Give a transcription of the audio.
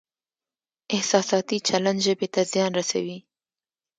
احساساتي چلند ژبې ته زیان رسوي.